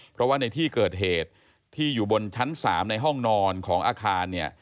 เพราะว่าในที่เกิดเหตุที่อยู่บนชั้น๓ในห้องนอนของอาคารเนี่ย